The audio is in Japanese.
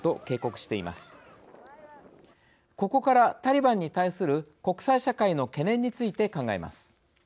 ここからタリバンに対する国際社会の懸念について考えます。